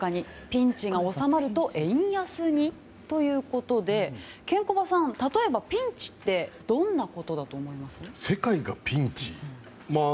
ピンチが収まると円安にということでケンコバさん、例えばピンチってどんなことだと思います？